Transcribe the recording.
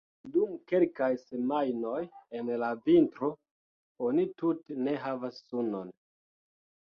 Dum kelkaj semajnoj en la vintro oni tute ne havas sunon.